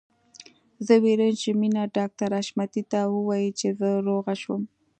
زه وېرېږم چې مينه ډاکټر حشمتي ته ووايي چې زه روغه شوم